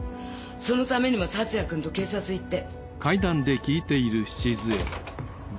そのためにも達也君と警察行って。